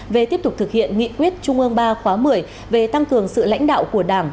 về tiếp tục thực hiện nghị quyết trung ương ba khóa một mươi về tăng cường sự lãnh đạo của đảng